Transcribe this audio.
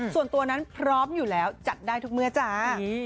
ส่วนตัวนั้นพร้อมอยู่แล้วจัดได้ทุกเมื่อจ้า